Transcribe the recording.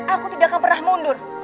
aku tidak akan pernah mundur